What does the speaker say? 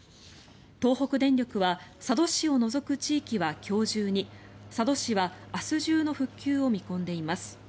東北電力は佐渡市を除く地域は今日中に佐渡市は明日中の復旧を見込んでいます。